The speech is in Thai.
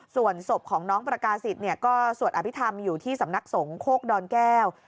ส่วนศพของน้องประกาศิษย์ก็สวดอภิษฐรรมอยู่ที่สำนักสงฆกดอนแก้ว